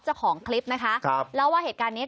เจ้าของคลิปนะคะครับเล่าว่าเหตุการณ์เนี้ย